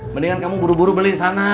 mendingan kamu buru buru beli di sana